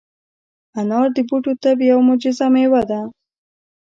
انار د بوټو طب یوه معجزه مېوه ده.